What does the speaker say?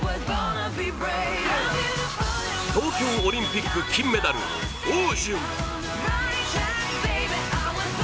東京オリンピック金メダル、汪順。